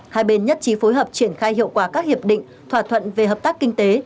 hai bên nhất trí phối hợp triển khai hiệu quả các hiệp định thỏa thuận về hợp tác kinh tế